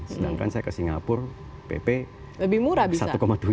sedangkan saya ke singapura pp satu tujuh atau satu tiga